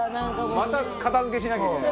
また片付けしなきゃいけない。